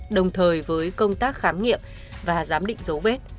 đồng thời với công tác khám nghiệm và giám định dấu vết